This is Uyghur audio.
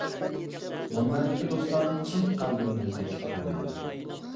مۇنبەردىكى دوستلارنى چىن قەلبىمدىن تەكلىپ قىلىمەن.